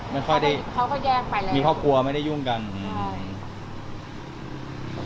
ไม่ค่อยได้เขาก็แยกไปแล้วมีครอบครัวไม่ได้ยุ่งกันอืมใช่